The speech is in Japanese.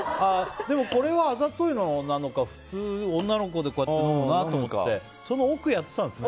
でもこれはあざといのか普通、女の子ってこうやって飲むなと思って。